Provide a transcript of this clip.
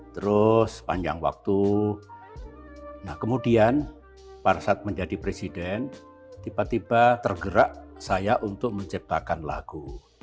terus panjang waktu nah kemudian pada saat menjadi presiden tiba tiba tergerak saya untuk menciptakan lagu